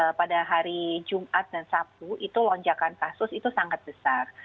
nah pada hari jumat dan sabtu itu lonjakan kasus itu sangat besar